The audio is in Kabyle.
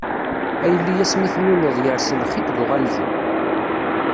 A yelli asmi i tluleḍ, yers lxiq d uɣanzu.